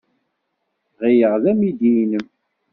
Ɣileɣ d amidi-nnem.